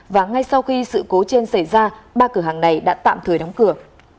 và ngay sau khi sự cố trên xảy ra ba cửa hàng này đã tạm thời đóng cửa